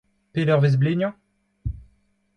Pet eurvezh bleinañ ?